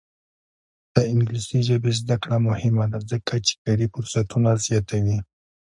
د انګلیسي ژبې زده کړه مهمه ده ځکه چې کاري فرصتونه زیاتوي.